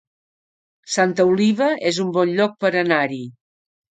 Santa Oliva es un bon lloc per anar-hi